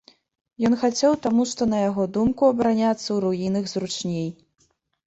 Ён хацеў таму што, на яго думку, абараняцца ў руінах зручней.